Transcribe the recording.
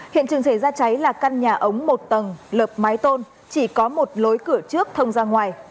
hiện trường xảy ra cháy là căn nhà ống một tầng lợp mái tôn chỉ có một lối cửa trước thông ra ngoài